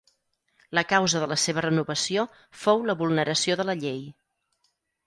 La causa de la seva renovació fou la vulneració de la llei.